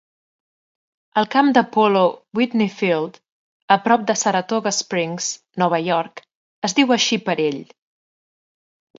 El camp de polo "Whitney Field" a prop de Saratoga Springs, Nova York, es diu així per ell.